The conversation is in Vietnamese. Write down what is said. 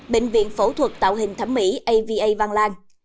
bệnh viện phẫu thuật tạo hình thẩm mỹ ava văn lan